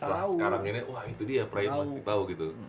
setelah sekarang ini wah itu dia prayin masih tau gitu